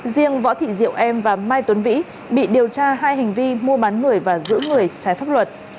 riêng võ thị diệu em và mai tuấn vĩ bị điều tra hai hành vi mua bán người và giữ người trái pháp luật